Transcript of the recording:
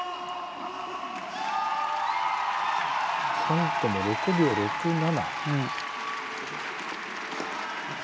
ハントも６秒６７。